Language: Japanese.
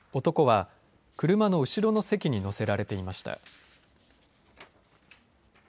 男は車の後ろの席に乗せられていました。